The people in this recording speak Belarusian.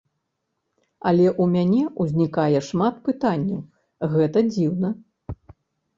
Але ў мяне ўзнікае шмат пытанняў, гэта дзіўна.